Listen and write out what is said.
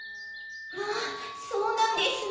まぁそうなんですの。